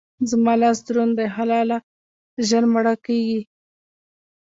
زما لاس دروند دی؛ حلاله ژر مړه کېږي.